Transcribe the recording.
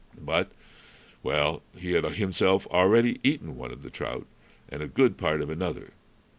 But well, he had himself already eaten one of the trout and a good part of another.